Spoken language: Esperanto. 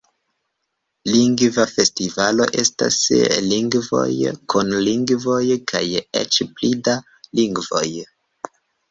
Lingva Festivalo estas lingvoj, kun lingvoj, kaj eĉ pli da lingvoj.